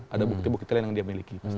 ada bukti bukti lain yang dia miliki